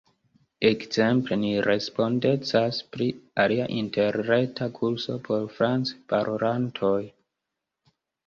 Ekzemple, ni respondecas pri alia interreta kurso por francparolantoj.